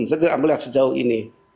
saya tidak melihat sejauh ini